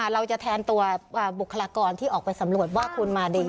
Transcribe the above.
เราจะแทนตัวบุคลากรที่ออกไปสำรวจว่าคุณมาดี